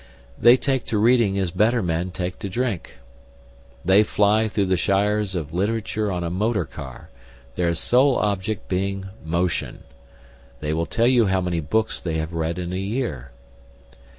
They take to reading as better men take to drink. They fly through the shires of literature on a motor car, their sole object being motion. They will tell you how many books they have read in a year.